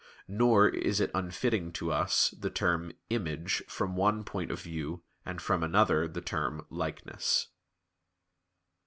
Nor it is unfitting to us the term "image" from one point of view and from another the term "likeness."